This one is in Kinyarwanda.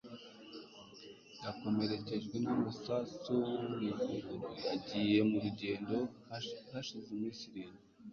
Yakomerekejwe n’amasasu mu kuguru. Yagiye mu rugendo hashize iminsi.